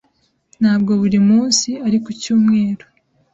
Ntabwo buri munsi ari ku cyumweru.